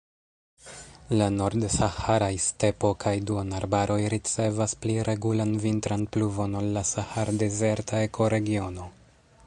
La nord-saharaj stepo kaj duonarbaroj ricevas pli regulan vintran pluvon ol la sahar-dezerta ekoregiono.